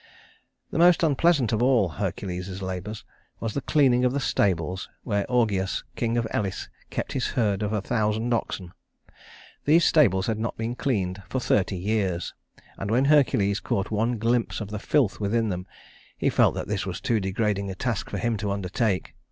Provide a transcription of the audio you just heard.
The most unpleasant of all Hercules's labors was the cleaning of the stables where Augeas, king of Elis, kept his herd of a thousand oxen. These stables had not been cleaned for thirty years; and when Hercules caught one glimpse of the filth within them, he felt that this was too degrading a task for him to undertake.